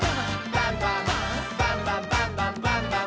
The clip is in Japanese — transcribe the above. バンバン」「バンバンバンバンバンバン！」